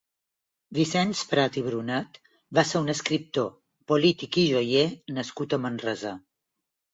Vicenç Prat i Brunet va ser un escriptor, polític i joier nascut a Manresa.